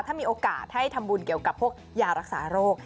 ถ้ามีโอกาสให้ทำบุญเกี่ยวกับพวกยารักษาโรค